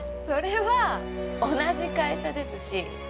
それは同じ会社ですし